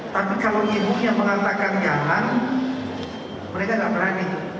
tapi kalau ibunya mengatakan jangan mereka tidak berani